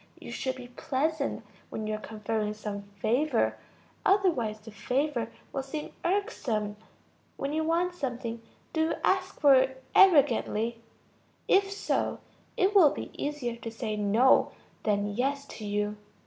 You should be pleasant when you are conferring some favor, otherwise the favor will seem irksome. When you want something, do you ask for it arrogantly? If so, it will be easier to say no than yes to you.